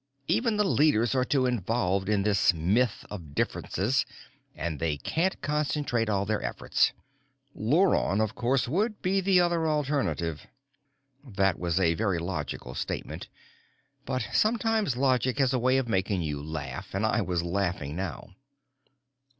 "Even the leaders are too involved in this myth of differences and they can't concentrate all their efforts. Luron, of course, would be the other alternative " That was a very logical statement, but sometimes logic has a way of making you laugh, and I was laughing now.